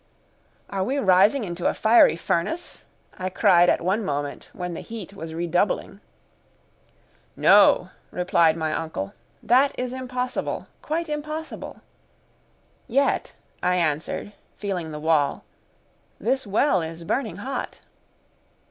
"Are we rising into a fiery furnace?" I cried at one moment when the heat was redoubling. "No," replied my uncle, "that is impossible quite impossible!" "Yet," I answered, feeling the wall, "this well is burning hot."